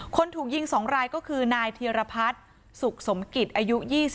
คนถูกยิงสองรายก็คือนธริพัจร์สุขสมกิตอย๒๕